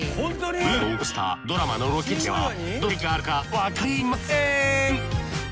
ブームを起こしたドラマのロケ地ではどんな奇跡があるかわかりません。